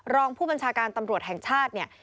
รองผู้บัญชาการตำรวจแห่งชาติเนี่ย